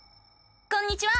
こんにちは！